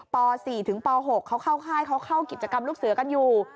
ป๔ถึงป๖เขาเข้าค่ายเขาเข้ากิจกรรมลูกเสือกันอยู่